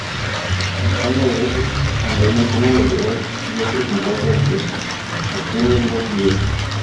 Dispone de dos andenes uno lateral y otro central al que acceden dos vías.